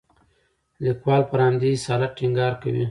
لیکوال پر همدې اصالت ټینګار کوي.